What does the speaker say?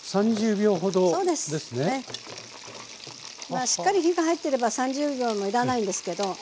まあしっかり火が入ってれば３０秒もいらないんですけど。